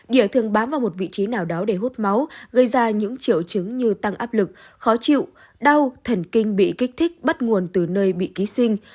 địa thường bám vào một vị trí nào đó để hút máu gây ra những triệu chứng như tăng áp lực khó chịu đau thần kinh bị kích thích bắt nguồn từ nơi bị ký sinh